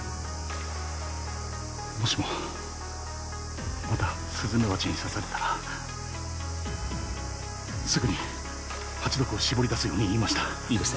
もしもまたスズメバチに刺されたらすぐにハチ毒を絞り出すように言いましたいいですね